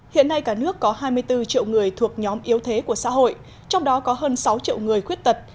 hiện nay cả nước có hai mươi bốn triệu người thuộc nhóm yếu thế của xã hội trong đó có hơn sáu triệu người khuyết tật